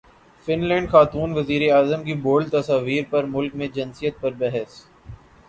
fun land خاتون وزیراعظم کی بولڈ تصاویر پر ملک میں جنسیت پر بحث